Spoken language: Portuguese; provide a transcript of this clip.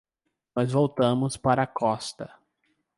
Nós voltamos para a costa.